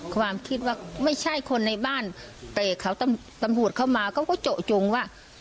ความคิดว่าไม่ใช่คนในบ้านแต่เขาตำรวจเข้ามาเขาก็เจาะจงว่า